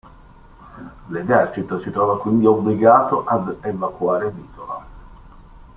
L'esercito si trova quindi obbligato ad evacuare l'isola.